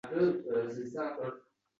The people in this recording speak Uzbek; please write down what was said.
Qo'lini Fotimaxonimning boshiga qo'yli.